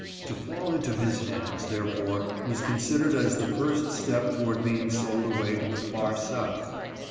To fall into his hands, therefore, was considered as the first step toward being sold away to the far South.